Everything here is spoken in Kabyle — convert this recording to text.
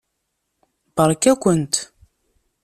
Beṛka-kent.